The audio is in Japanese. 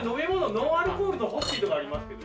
ノンアルコールのホッピーとかありますけど。